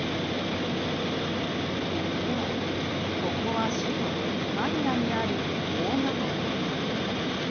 一方、ここは首都マニラにある大型ホテル。